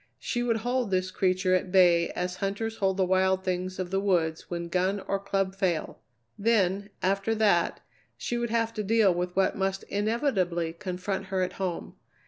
She would hold this creature at bay as hunters hold the wild things of the woods when gun or club fail. Then, after that, she would have to deal with what must inevitably confront her at home.